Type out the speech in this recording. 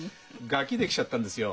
ガキ出来ちゃったんですよ。